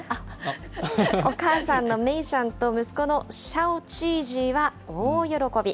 お母さんのメイシャンと息子のシャオチージーは大喜び。